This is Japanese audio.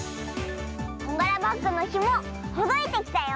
こんがらバッグのひもほどいてきたよ。